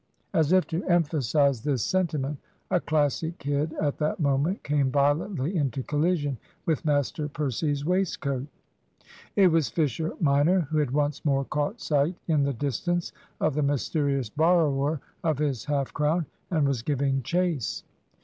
As if to emphasise this sentiment, a Classic kid at that moment came violently into collision with Master Percy's waistcoat. It was Fisher minor, who had once more caught sight in the distance of the mysterious borrower of his half crown, and was giving chase.